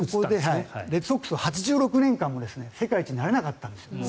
レッドソックスは８６年間も世界一になれなかったんです。